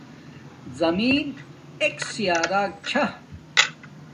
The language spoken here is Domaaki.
زمین ایک سیارک چھا